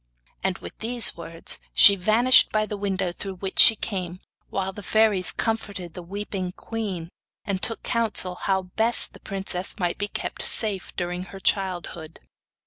And with these words she vanished by the window through which she came, while the fairies comforted the weeping queen and took counsel how best the princess might be kept safe during her childhood.